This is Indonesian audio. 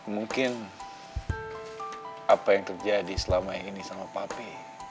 mungkin apa yang terjadi selama ini sama papi